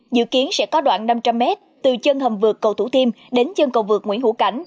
dự kiến sẽ có đoạn năm trăm linh m từ chân hầm vượt cầu thủ thiêm đến chân cầu vượt nguyễn hữu cảnh